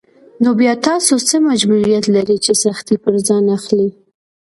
نو بيا تاسو څه مجبوريت لرئ چې سختۍ پر ځان اخلئ.